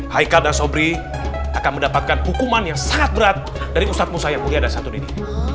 haikal dan sobri akan mendapatkan hukuman yang sangat berat dari ustadz musa yang mulia dan satu didik